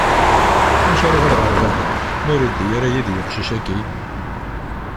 Amek ara uɣaleɣ ɣer baba, ma ur iddi ara yid-i uqcic-agi?